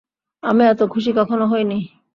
আমি এত খুশি কখনো হয়নি।